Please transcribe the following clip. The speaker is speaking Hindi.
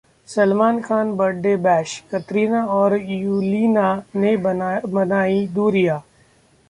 Salman Khan birthday bash: Katrina और यूलिया ने बनाईं दूरियां